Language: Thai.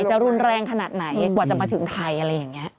จะรุนแรงขนาดไหนกว่าจะมาถึงไทยอะไรอย่างนี้